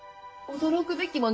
驚くべきもの？